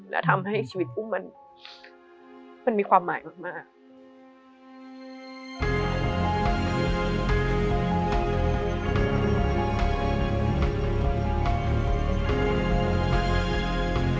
และทำให้ชีวิตอุ้มมันมีความหมายมาก